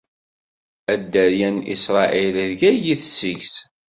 A dderya n Isṛayil, rgagit seg-s!